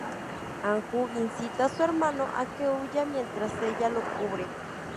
Anju incita a su hermano a que huya, mientras ella lo cubre.